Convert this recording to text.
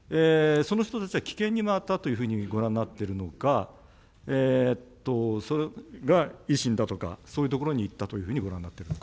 その人たちは棄権に回ったというふうにご覧になっているのか、それが維新だとか、そういうところにいったというふうにご覧になっているのか。